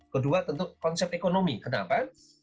kedua tentu konsep ekonomi kenapa